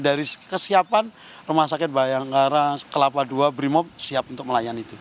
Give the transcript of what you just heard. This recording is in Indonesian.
dari kesiapan rumah sakit bayangkara kelapa ii brimob siap untuk melayani itu